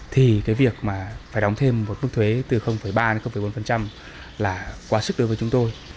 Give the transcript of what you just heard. thì cái việc mà phải đóng thêm một mức thuế từ ba đến bốn là quá sức đối với chúng tôi